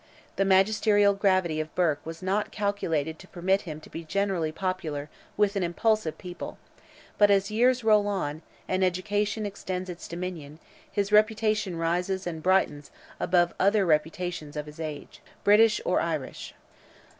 The magisterial gravity of Burke was not calculated to permit him to be generally popular with an impulsive people, but as years roll on, and education extends its dominion, his reputation rises and brightens above every other reputation of his age, British or Irish.